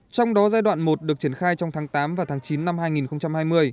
trong đó giai đoạn một được triển khai trong tháng tám và tháng chín năm hai nghìn hai mươi